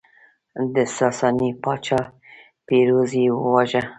د ساساني پاچا پیروز یې وواژه